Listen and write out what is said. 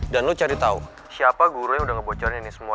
dan lo cari tau siapa guru yang udah ngebocorin ini semua